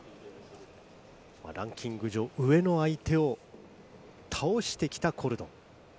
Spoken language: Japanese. ランキング上、上の相手を倒してきたコルドン。